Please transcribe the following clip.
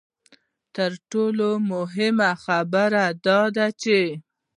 تر ټولو مهمه خبره دا ده چې.